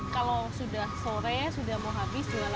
kalau sudah sore sudah mau habis jualan